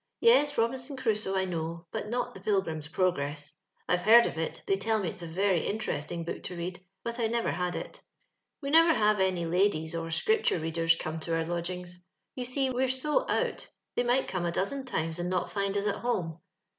Yes, Robinson Crusoe I know, but not the Piiifrims Progrea. Ive heard of it ; they tell me it is a very interesting book to read, but I never had it. We never liave any ladies or Scripture readers come to our lodgings ; you see, we're so out, they might come a dozen times and not find us at home.